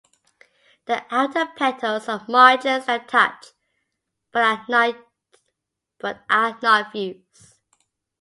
The outer petals have margins that touch but are not fused.